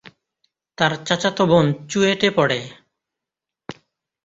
তার চাচাতো বোন চুয়েটে পড়ে।